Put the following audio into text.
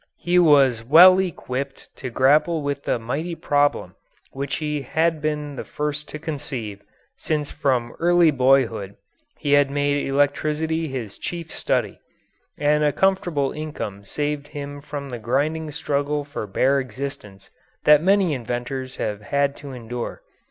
He was well equipped to grapple with the mighty problem which he had been the first to conceive, since from early boyhood he had made electricity his chief study, and a comfortable income saved him from the grinding struggle for bare existence that many inventors have had to endure.